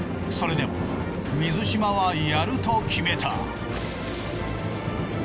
それでも水嶋はやると決めた。